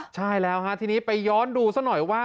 ใช่แล้วฮะทีนี้ไปย้อนดูซะหน่อยว่า